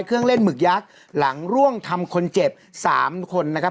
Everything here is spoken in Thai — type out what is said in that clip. เครื่องเล่นหมึกยักษ์หลังร่วงทำคนเจ็บสามคนนะครับ